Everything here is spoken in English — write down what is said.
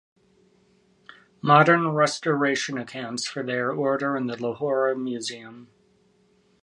Modern restoration accounts for their order in the Lahore Museum.